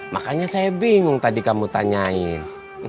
makanya saya bingung tadi kamu tanyain